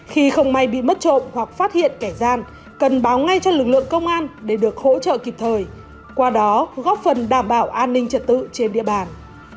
khi không may bị mất trộm hoặc phát hiện kẻ gian cần báo ngay cho lực lượng công an để được hỗ trợ kịp thời qua đó góp phần đảm bảo an ninh trật tự trên địa bàn